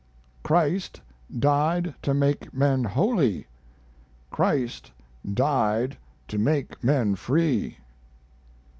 "Christ died to make men holy, Christ died to make men free."